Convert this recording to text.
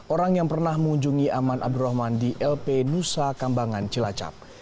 orang yang pernah mengunjungi aman abdurrahman di lp nusa kambangan cilacap